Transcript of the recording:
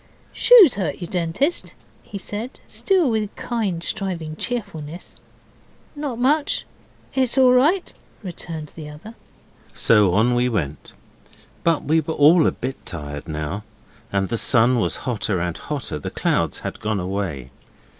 'Shoes hurt you, Dentist?' he said, still with kind striving cheerfulness. 'Not much it's all right,' returned the other. So on we went but we were all a bit tired now and the sun was hotter and hotter; the clouds had gone away.